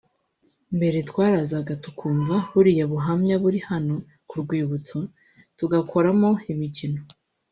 Mbere twarazaga tukumva buriya buhamya buri hano ku rwibutso tugakoramo imikino